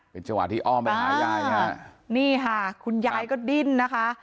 เป็นจังหวะที่อ้อมไปหายายฮะนี่ค่ะคุณยายก็ดิ้นนะคะ